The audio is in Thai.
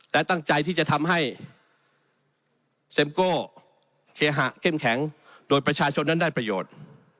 และตั้งใจที่จะทำให้เซ็มโก้เคหะเข้มแข็งโดยประชาชนนั้นได้ประโยชน์